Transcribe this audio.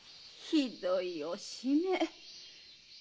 ひどいおしめ。